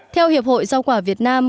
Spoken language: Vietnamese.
theo hiệp hội giao quả việt nam